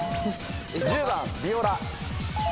１０番ビオラ。